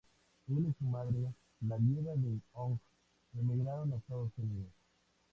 Él y su madre, la viuda de Hong, emigraron a los Estados Unidos.